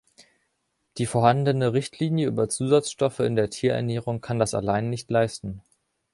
Die vorhandene Richtlinie über Zusatzstoffe in der Tierernährung kann das allein nicht leisten.